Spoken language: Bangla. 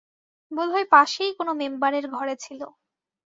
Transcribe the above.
বোধ হয় পাশেই কোন মেম্বারের ঘরে ছিল।